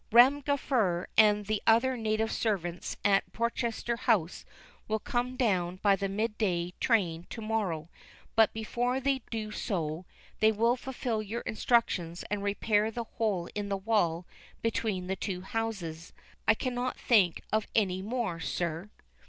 Ram Gafur and the other native servants at Portchester House will come down by the mid day train to morrow, but before they do so, they will fulfill your instructions and repair the hole in the wall between the two houses. I cannot think of any more, sir."